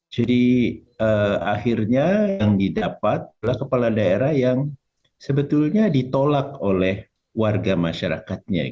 jadi akhirnya yang didapat adalah kepala daerah yang sebetulnya ditolak oleh warga masyarakatnya